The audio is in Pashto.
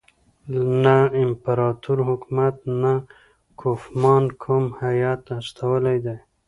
نه امپراطور حکومت نه کوفمان کوم هیات استولی دی.